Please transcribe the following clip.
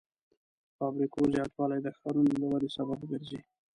د فابریکو زیاتوالی د ښارونو د ودې سبب ګرځي.